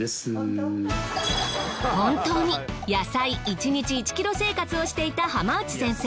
本当に野菜１日１ｋｇ生活をしていた浜内先生。